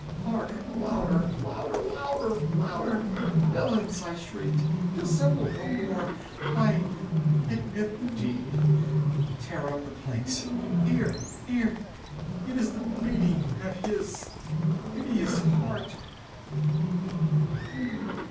—hark! louder! louder! louder! louder! "Villains!" I shrieked, "dissemble no more! I admit the deed!—tear up the planks!—here, here!—It is the beating of his hideous heart!"